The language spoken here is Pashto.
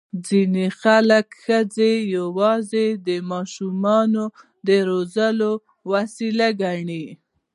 ځینې خلک ښځې یوازې د ماشوم زېږولو وسیله ګڼي.